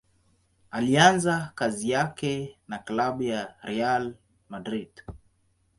Alianza kazi yake na klabu ya Real Madrid.